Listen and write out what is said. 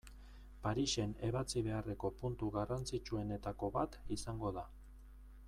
Parisen ebatzi beharreko puntu garrantzitsuenetako bat izango da.